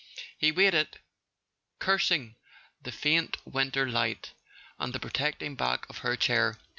He waited, cursing the faint winter light, and the protecting back of her chair.